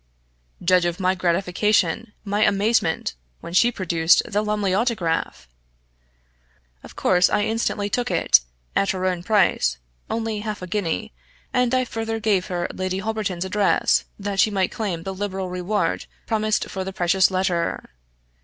Judge of my gratification, my amazement, when she produced the Lumley Autograph! Of course I instantly took it, at her own price only half a guinea and I further gave her Lady Holberton's address, that she might claim the liberal reward promised far the precious letter.